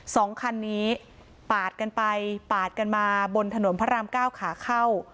สองคันนี้ปาดกันไปปาดกันมาบนถนนพระรามเก้าขาเข้า